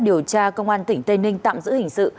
điều tra công an tỉnh tây ninh tạm giữ hình sự